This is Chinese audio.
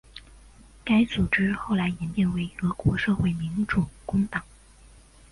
该组织后来演变为俄国社会民主工党。